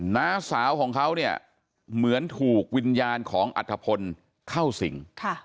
น้าสาวของเขาเนี่ยเหมือนถูกวิญญาณของอัฐพลเข้าสิง